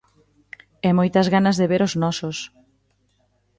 E moitas ganas de ver os nosos...